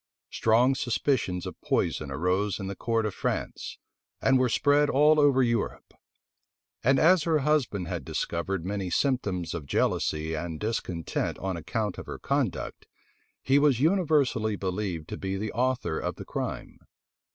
Strong suspicions of poison arose in the court of France, and were spread all over Europe; and as her husband had discovered many symptoms of jealousy and discontent on account of her conduct, he was universally believed to be the author of the crime.